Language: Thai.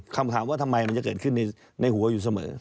คำถามว่าทำไมมันจะเกิดขึ้นในหัวอยู่เสมอ